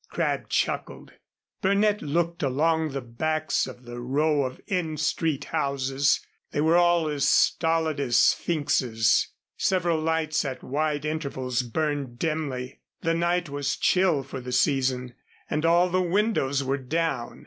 Crabb chuckled. Burnett looked along the backs of the row of N Street houses. They were all as stolid as sphinxes. Several lights at wide intervals burned dimly. The night was chill for the season, and all the windows were down.